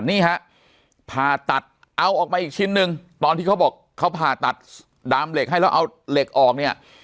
นี่ฮะผ่าตัดเอาออกมาอีกชิ้นหนึ่งตอนที่เขาบอกเขาผ่าตัดดามเหล็กให้แล้วเอาเหล็กออกเนี่ย